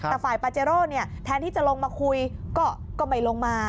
แต่ฝ่ายปาเจโร่แทนที่จะลงมาคุยก็ไม่ลงมา